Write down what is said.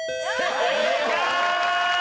正解！